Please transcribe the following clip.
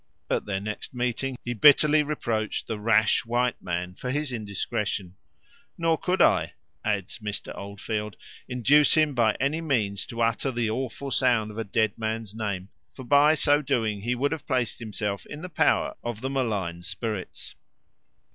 At their next meeting he bitterly reproached the rash white man for his indiscretion; "nor could I," adds Mr. Oldfield, "induce him by any means to utter the awful sound of a dead man's name, for by so doing he would have placed himself in the power of the malign spirits."